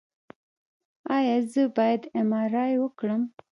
ایا زه باید ایم آر آی وکړم؟